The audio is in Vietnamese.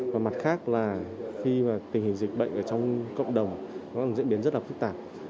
và mặt khác là khi tình hình dịch bệnh ở trong cộng đồng diễn biến rất là phức tạp